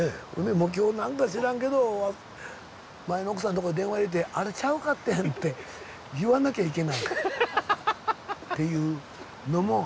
もう今日何か知らんけど前の奥さんとこへ電話入れて「あれちゃうかってん」って言わなきゃいけないっていうのもプラスされる。